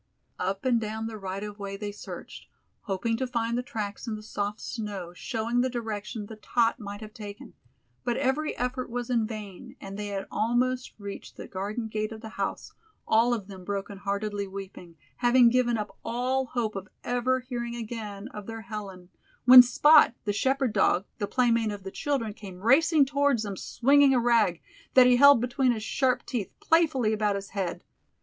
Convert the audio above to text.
Up and down the right of way they searched, hoping to find the tracks in the soft snow showing the direction the tot might have taken, but every effort was in vain, and they had almost reached the garden gate of the house, all of them broken heartedly weeping, having given up all hope of ever hearing again of their Helen, when "Spot", the shepherd dog, the playmate of the children, came racing towards them, swinging a rag, that he held between his sharp teeth, playfully about his head.